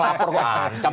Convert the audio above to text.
orang lapor itu ancam